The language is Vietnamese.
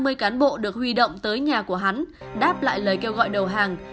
hơn một trăm năm mươi cán bộ được huy động tới nhà của hắn đáp lại lời kêu gọi đầu hàng